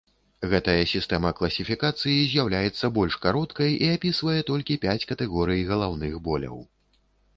Гэтая сістэма класіфікацыі з'яўляецца больш кароткай і апісвае толькі пяць катэгорый галаўных боляў.